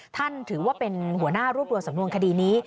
ถือว่าเป็นหัวหน้ารวบรวมสำนวนคดีนี้